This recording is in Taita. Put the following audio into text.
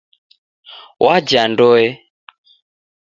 Waja Ndoe.